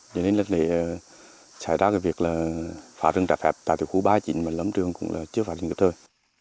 nên lệnh lệnh xảy ra việc phá rừng trả phép tại khu bãi trịnh mà lấm rừng cũng chưa phá rừng kịp thời